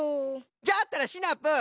じゃったらシナプー。